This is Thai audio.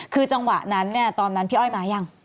คือจังหวะนั้นตอนนั้นพี่อ้อยมาหรือยัง